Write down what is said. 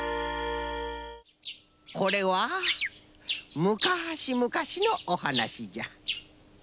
これはむかしむかしのおはなしじゃ。